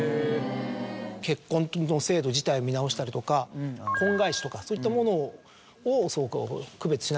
結婚の制度自体見直したりとか婚外子とかそういったものを区別しない。